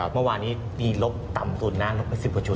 เมื่อวานนี้มีลบต่ำสุดนะลบไป๑๐